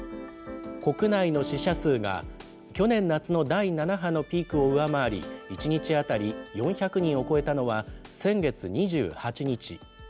国内の死者数が、去年夏の第７波のピークを上回り、１日当たり４００人を超えたのは、先月２８日。